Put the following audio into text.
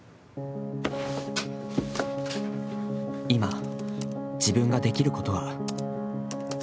「今、自分ができることは？」